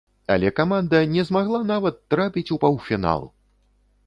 Але каманда не змагла нават трапіць у паўфінал!